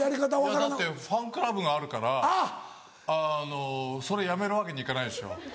だってファンクラブがあるからそれやめるわけにいかないでしょ。